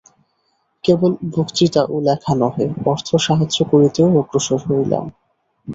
কেবল বক্তৃতা ও লেখা নহে, অর্থসাহায্য করিতেও অগ্রসর হইলাম।